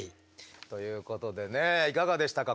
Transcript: ということでねいかがでしたか？